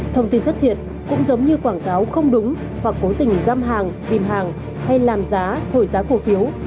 thông tin thất thiệt cũng giống như quảng cáo không đúng hoặc cố tình găm hàng dìm hàng hay làm giá thổi giá cổ phiếu